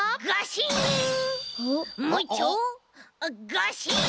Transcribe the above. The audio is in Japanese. ガシン！